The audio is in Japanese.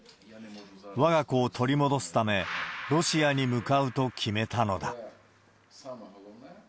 わが子を取り戻すため、ロシアに向かうと決めたのだ。